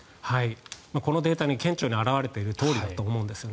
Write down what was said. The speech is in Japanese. このデータに顕著に表れているとおりだと思うんですね。